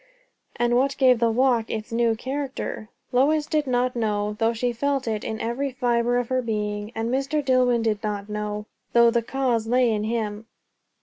And what gave the walk its new character? Lois did not know, though she felt it in every fibre of her being. And Mr. Dillwyn did not know, though the cause lay in him.